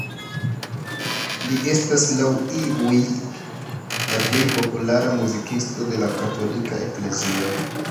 Li estas, laŭ iuj, la plej populara muzikisto de la katolika eklezio.